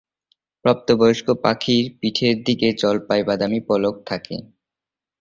প্রাপ্তবয়স্ক পাখির পিঠের দিকে জলপাই-বাদামি পালক থাকে।